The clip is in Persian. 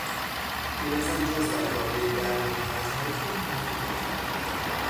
پیر زن جز دربارهی درد و مرضهای خود حرفی نزد.